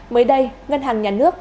mới đây ngân hàng nhà nước